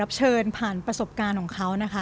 และรับเชิญผ่านประสบการณ์ของเขา